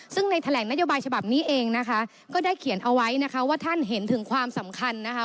ซึ่งในแถลงนโยบายฉบับนี้เองนะคะก็ได้เขียนเอาไว้นะคะว่าท่านเห็นถึงความสำคัญนะคะ